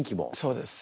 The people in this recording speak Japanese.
そうです。